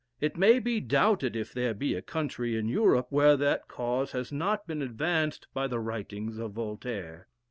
It may be doubted if there be a country in Europe, where that cause has not been advanced by the writings of Voltaire."